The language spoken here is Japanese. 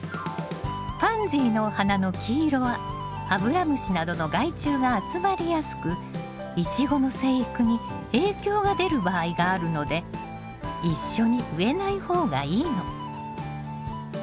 パンジーの花の黄色はアブラムシなどの害虫が集まりやすくイチゴの生育に影響が出る場合があるので一緒に植えない方がいいの。